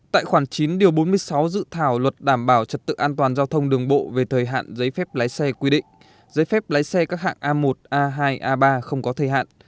tại khoảng chín điều bốn mươi sáu dự thảo luật đảm bảo trật tự an toàn giao thông đường bộ về thời hạn giấy phép lái xe quy định giấy phép lái xe các hạng a một a hai a ba không có thời hạn